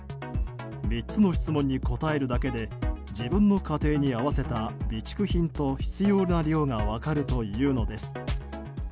３つの質問に答えるだけで自分の家庭に合わせた備蓄品と必要な量が分かるというのです。